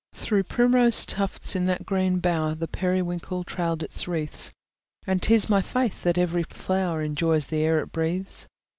Through primrose tufts, in that green bower, The periwinkle trailed its wreaths; And 'tis my faith that every flower Enjoys the air it breathes.